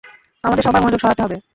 আমাদের সবার মনোযোগ সরাতে হবে।